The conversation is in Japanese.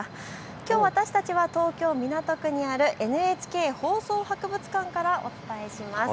きょう私たちは東京港区にあるＮＨＫ放送博物館からお伝えします。